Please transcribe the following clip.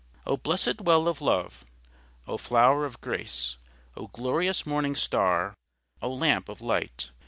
O blessed Well of Love! O Floure of Grace! O glorious Morning Starre! O Lampe of Light!